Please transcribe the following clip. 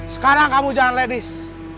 sekarang kamu jangan ledis